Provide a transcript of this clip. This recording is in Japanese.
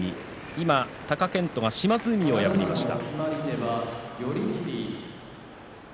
今、貴健斗が島津海を破りました。